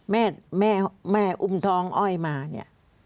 แม่แม่อุ้มท้องอ้อยมาเนี่ย